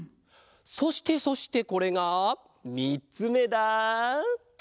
そしてそしてこれがみっつめだ！